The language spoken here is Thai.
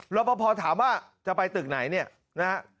รับประพอถามว่าจะไปตึกไหนนี่นะครับ